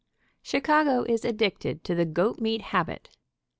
CHICAGO IS ADDICTED TO THE GOAT MEAT HABIT.